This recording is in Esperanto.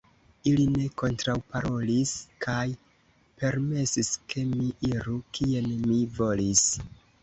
Ili ne kontraŭparolis, kaj permesis, ke mi iru, kien mi volis.